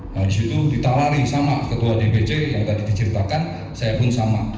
nah disitu ditawari sama ketua dpc yang tadi diceritakan saya pun sama